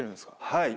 はい。